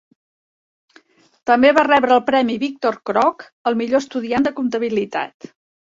També va rebre el Premi Victor Crooke al millor estudiant de comptabilitat.